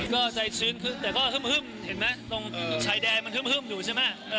ก็ใจชื้นขึ้นแต่ก็ฮึ่มเห็นไหมตรงชายแดนมันฮึ่มอยู่ใช่ไหม